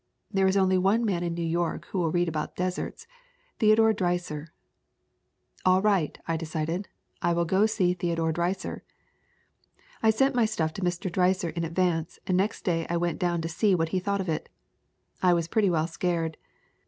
There is only one man in New York who will read about deserts Theodore Dreiser/ " 'All right/ I decided. 'I will go to see Theodore Dreiser/ "I sent my stuff to Mr. Dreiser in advance and next day I went down to see what he thought of it. I was pretty well scared.